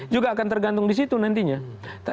juga akan tergantung di situ nantinya